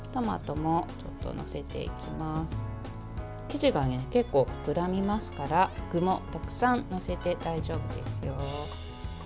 生地が結構、膨らみますから具もたくさん載せて大丈夫ですよ。